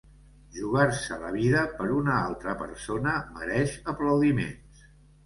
Jugar-se la vida per una altra persona mereix aplaudiments.